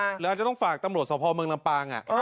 หรืออาจจะต้องฝากตำรวจสภเมืองลำปาง